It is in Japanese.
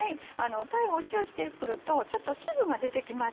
鯛塩してくるとちょっと水分が出てきます。